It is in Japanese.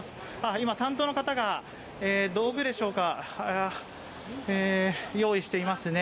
今、担当の方が道具でしょうか、用意していますね。